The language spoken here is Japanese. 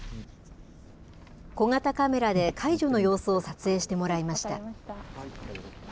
小型カメラで介助の様子を撮影してもらいました。